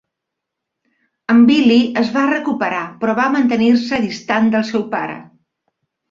En Billy es va recuperar però va mantenir-se distant del seu pare.